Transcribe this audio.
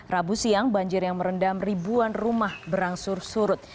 rabu siang banjir yang merendam ribuan rumah berangsur surut